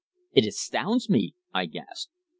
"It astounds me!" I gasped.